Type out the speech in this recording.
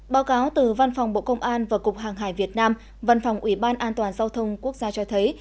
báo cáo từ văn phòng bộ công an và cục hàng hải việt nam văn phòng ủy ban an toàn giao thông quốc gia cho thấy